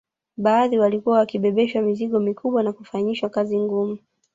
Baadhi walikuwa wakibebeshwa mizigo mikubwa na kufanyishwa kazi ngumu